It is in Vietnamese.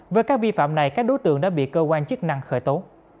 với các vi phạm này các đối tượng đã bị cơ quan chức năng khởi tố